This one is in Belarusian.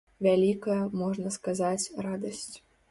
Вялікая, можна сказаць, радасць!